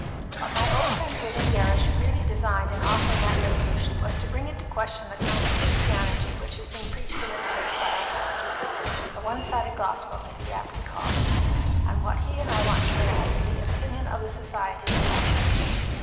"What my old friend William Gerrish really designed in offering that resolution was to bring into question the kind of Christianity which has been preached in this place by our pastor the one sided gospel, as he aptly called it and what he and I want to get at is the opinion of the society on that question.